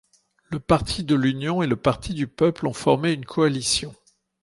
Le Parti de l'union et le Parti du peuple ont formé une coalition.